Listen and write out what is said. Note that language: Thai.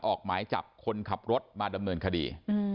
ออกหมายจับคนขับรถมาดำเนินคดี